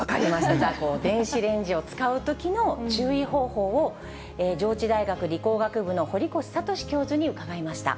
じゃあ、電子レンジを使うときの注意方法を、上智大学理工学部の堀越智教授に伺いました。